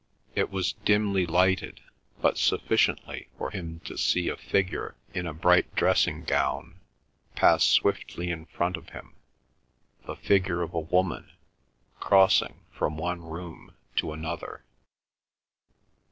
It was dimly lighted, but sufficiently for him to see a figure in a bright dressing gown pass swiftly in front of him, the figure of a woman crossing from one room to another.